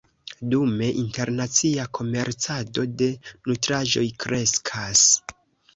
Dume, internacia komercado de nutraĵoj kreskas.